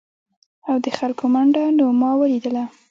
او د خلکو منډه نو ما ولیدله ؟